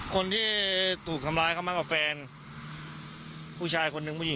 เขาโดนติ๊กโดนต่อยอยู่